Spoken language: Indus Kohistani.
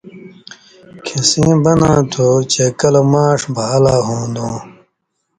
کھیں سیں بناں تھُو چے کل ماݜ بھا لا ہُون٘دُوں